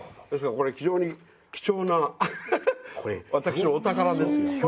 ですからこれ非常に貴重な私のお宝ですよ。